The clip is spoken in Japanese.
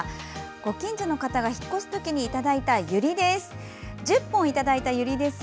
ご近所の方が引っ越すときにいただいたユリです。